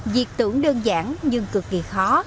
việc tưởng đơn giản nhưng cực kỳ khó